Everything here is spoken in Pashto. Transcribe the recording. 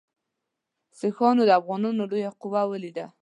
سیکهانو د افغانانو لویه قوه ولیده.